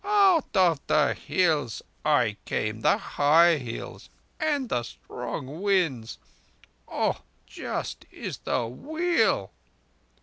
Out of the Hills I came—the high Hills and the strong winds. Oh, just is the Wheel!"